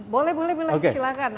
boleh boleh silakan